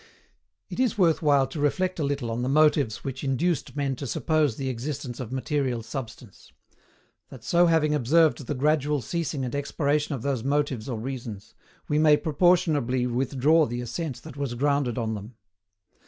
It is worth while to reflect a little on the motives which induced men to suppose the existence of material substance; that so having observed the gradual ceasing and expiration of those motives or reasons, we may proportionably withdraw the assent that was grounded on them.